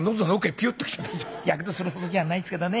やけどするほどじゃないですけどね